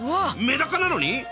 メダカなのに！？